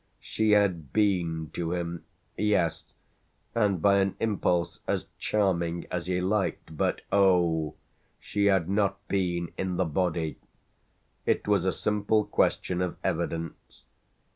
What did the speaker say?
She had been to him yes, and by an impulse as charming as he liked; but oh! she had not been in the body. It was a simple question of evidence.